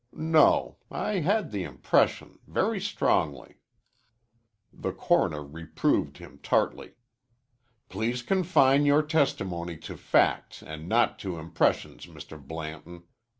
"No. I had the impression, very strongly." The coroner reproved him tartly. "Please confine your testimony to facts and not to impressions, Mr. Blanton.